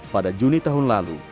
pada juni tahun lalu